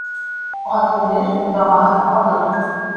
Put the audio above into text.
Ат үлер, дағаһы ҡалыр